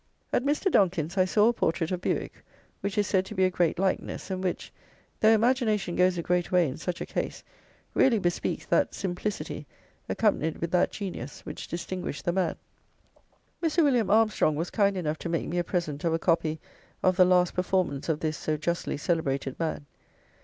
At Mr. Donkin's I saw a portrait of Bewick, which is said to be a great likeness, and which, though imagination goes a great way in such a case, really bespeaks that simplicity, accompanied with that genius, which distinguished the man. Mr. Wm. Armstrong was kind enough to make me a present of a copy of the last performance of this so justly celebrated man.